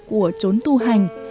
của chốn tu hành